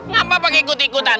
ngapa pakai ikut ikutan